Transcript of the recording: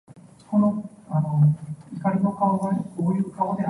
九地堅固之神，九天威悍之神